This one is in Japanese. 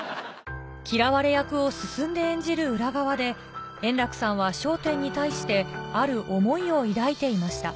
嫌われ役を進んで演じる裏側で、円楽さんは、笑点に対して、ある思いを抱いていました。